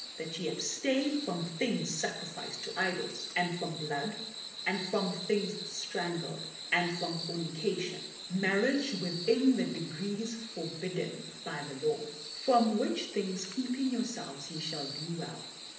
That ye abstain from things sacrificed to idols and from blood, and from things strangled, and from fornication (marriage within the degrees forbidden by the Law) ; from which, things keeping yourselves you shall do well.